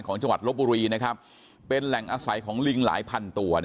จังหวัดลบบุรีเป็นแหล่งอาศัยของลิงหลายพันตัว